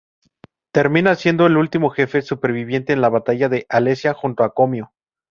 Termina siendo el último jefe superviviente en la batalla de alesia junto a Comio.